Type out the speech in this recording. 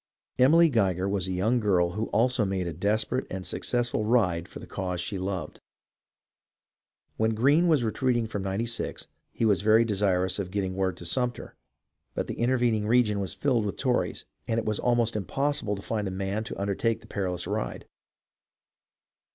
Emily Geiger was a young girl who also made a desper ate and successful ride for the cause she loved. When Greene was retreating from Ninety Six, he was very desir ous of getting word to Sumter, but the intervening region was filled with Tories, and it was almost impossible to find a man to undertake the perilous ride.